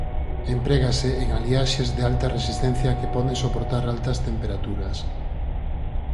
Emprégase en aliaxes de alta resistencia que poden soportar altas temperaturas.